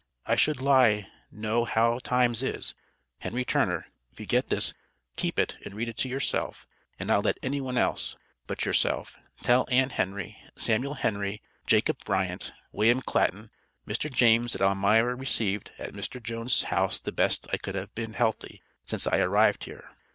I should lie know how times is, Henry Turner if you get this keep it and read it to yourself and not let any one else But yourself, tell ann Henry, Samuel Henry, Jacob Bryant, Wm Claton, Mr James at Almira Receved at Mr Jones house the Best I could I have Been healthy since I arrived here.